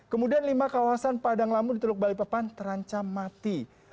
kemudian lima kawasan padang lamu di teluk balai pepan terancam mati